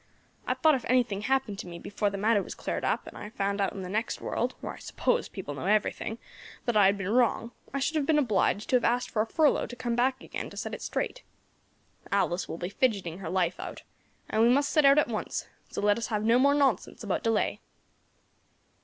I thought if anything happened to me before the matter was cleared up, and I found out in the next world where I suppose people know everything that I had been wrong, I should have been obliged to have asked for a furlough to come back again to set it straight. Alice will be fidgeting her life out, and we must set out at once; so let us have no more nonsense about delay."